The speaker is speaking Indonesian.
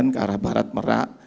ke arah barat merak